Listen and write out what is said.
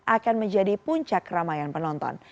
akan menjadi puncak keramaian penonton